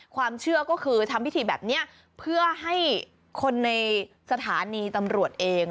ความเชื่อก็คือทำพิธีแบบนี้เพื่อให้คนในสถานีตำรวจเอง